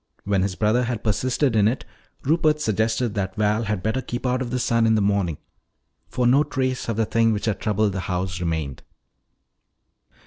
When his brother had persisted in it, Rupert suggested that Val had better keep out of the sun in the morning. For no trace of the thing which had troubled the house remained.